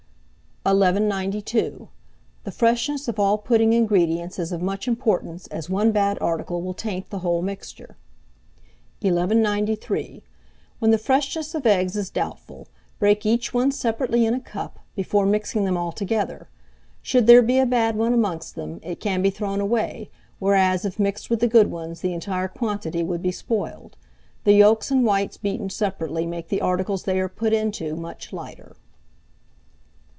1192. The freshness of all pudding ingredients is of much importance, as one bad article will taint the whole mixture. 1193. When the freshness of eggs is doubtful, break each one separately in a cup, before mixing them altogether. Should there be a bad one amongst them, it can be thrown away; whereas, if mixed with the good ones, the entire quantity would be spoiled. The yolks and whites beaten separately make the articles they are put into much lighter.